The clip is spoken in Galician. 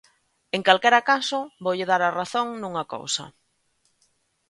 En calquera caso, voulle dar a razón nunha cousa.